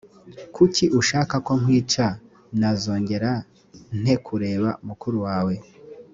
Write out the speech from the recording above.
kuki ushaka ko nkwica j nazongera nte kureba mukuru wawe